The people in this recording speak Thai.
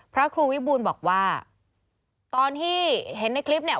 พระครูวิบูลบอกว่าตอนที่เห็นในคลิปเนี่ย